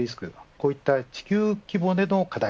こういった地球規模での課題